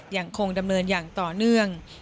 ยังคงดำเนินอย่างต่อเนื่อง